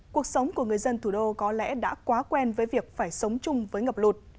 cuộc sống của người dân thủ đô có lẽ đã quá quen với việc phải sống chung với ngập lụt